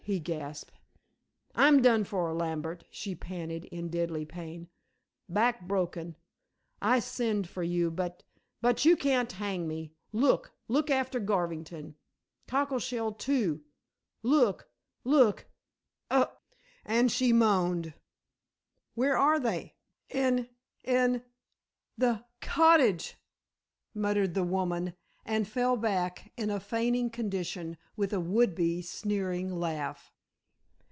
he gasped. "I'm done for, Lambert," she panted in deadly pain, "back broken. I sinned for you, but but you can't hang me. Look look after Garvington Cockleshell too look look Augh!" and she moaned. "Where are they?" "In in the cottage," murmured the woman, and fell back in a fainting condition with a would be sneering laugh.